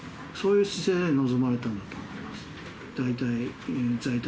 そういう姿勢で臨まれたんだと思います。